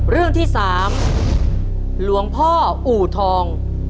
เรื่องที่๓หลวงพ่ออู่ทอง